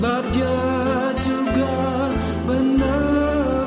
banyak orang yang menduga